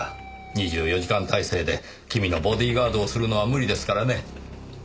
２４時間態勢で君のボディーガードをするのは無理ですからね。